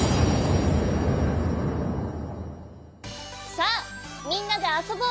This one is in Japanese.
さあみんなであそぼう！